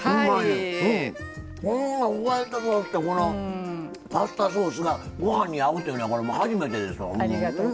こんなにホワイトソースとパスタソースがご飯に合うっていうのは初めてですわ。